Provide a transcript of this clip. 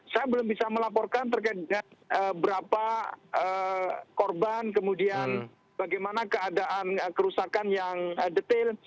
saya belum bisa melaporkan terkait dengan berapa korban kemudian bagaimana keadaan kerusakan yang detail